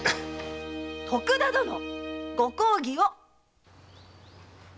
徳田殿！ご講義を！